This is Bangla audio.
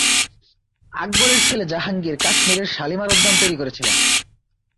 আকবরের ছেলে জাহাঙ্গীর কাশ্মীরের শালিমার উদ্যান তৈরি করেছিলেন।